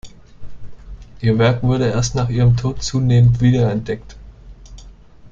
Ihr Werk wurde erst nach ihrem Tod zunehmend wiederentdeckt.